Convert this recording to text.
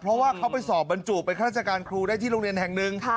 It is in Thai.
เพราะว่าเขาไปสอบบรรจุไปข้าราชการครูได้ที่โรงเรียนแห่งหนึ่ง